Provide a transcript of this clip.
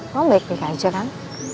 mau baik baik aja kan